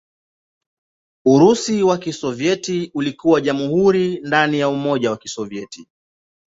Urusi wa Kisovyeti ulikuwa jamhuri ndani ya Umoja wa Kisovyeti.